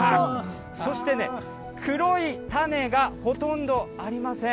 そして黒い種がほとんどありません。